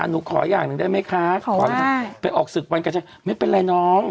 หนูขออย่างหนึ่งได้ไหมคะขอนะคะไปออกศึกวันกระจายไม่เป็นไรน้อง